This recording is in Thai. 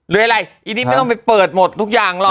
หรืออะไรอีนี่ไม่ต้องไปเปิดหมดทุกอย่างหรอก